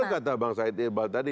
betul kata bang said ibal tadi